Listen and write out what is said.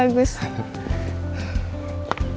lagi ya dari sini ya